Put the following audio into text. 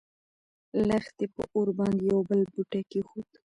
لښتې په اور باندې يو بل بوټی کېښود.